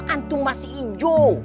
antum masih ijo